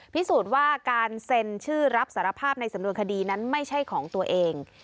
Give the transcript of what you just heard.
พิสูจน์ว่าการเซ็นชื่อรับสารภาพในสำนวนคดีนั้นไม่ใช่ของตัวเอง